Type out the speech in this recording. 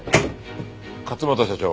勝又社長。